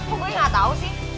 kok gue gak tau sih